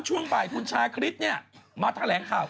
ช่วงบ่ายคุณชาคริสเนี่ยมาแถลงข่าว